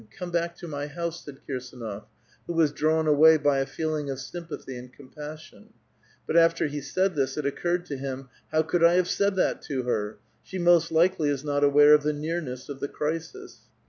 Come back to my house," said Kirsdnof , who was drawn away by a feeling of sympathy and compassion ; but after he said this, it occurred to him, ''How could 1 have said that to her? She most likely is not aware of the nearness of the crisis."